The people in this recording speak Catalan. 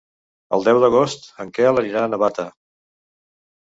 El deu d'agost en Quel anirà a Navata.